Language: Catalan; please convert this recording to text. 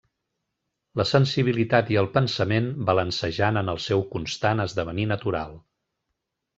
La sensibilitat i el pensament balancejant en el seu constant esdevenir natural.